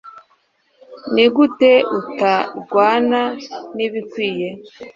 nigute utarwana nibikwiye